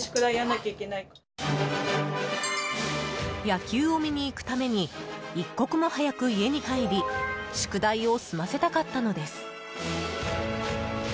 野球を見に行くために一刻も早く家に入り宿題を済ませたかったのです。